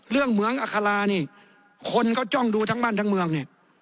เหมืองอัครานี่คนก็จ้องดูทั้งบ้านทั้งเมืองเนี่ย